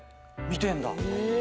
見てんだ。